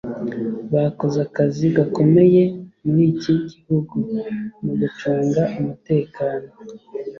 Bakoze akazi gakomeye muri iki gihugu mu gucunga umutekano